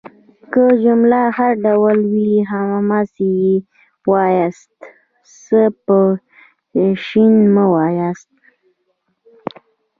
که جمله هر ډول وي هغسي يې وایاست. س په ش مه واياست.